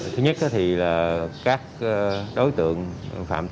thứ nhất thì là các đối tượng phạm tích